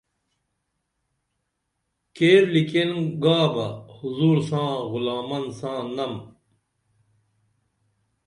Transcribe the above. کیر لیکین گا بہ حضور ساں غلامان ساں نم